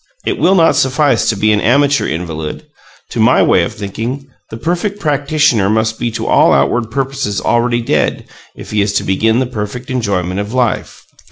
It will not suffice to be an amateur invalid. To my way of thinking, the perfect practitioner must be to all outward purposes already dead if he is to begin the perfect enjoyment of life.